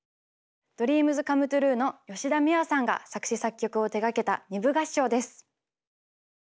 ＤＲＥＡＭＳＣＯＭＥＴＲＵＥの吉田美和さんが作詞・作曲を手がけた二部合唱です。